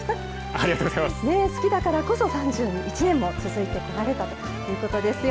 好きだからこそ３１年も続いてこられたということですよ。